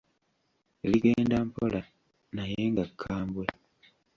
Ligenda mpola, naye nga kkambwe.